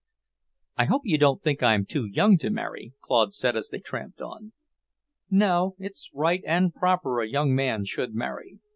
'" "I hope you don't think I'm too young to marry," Claude said as they tramped on. "No, it's right and proper a young man should marry.